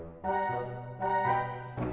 sama si rinda